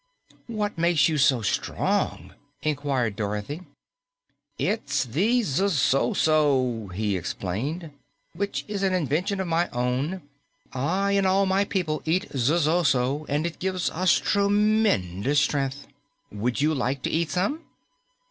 "What makes you so strong?" inquired Dorothy. "It's the zosozo," he explained, "which is an invention of my own. I and all my people eat zosozo, and it gives us tremendous strength. Would you like to eat some?"